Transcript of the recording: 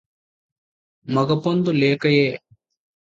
మగ పొందు లేకయే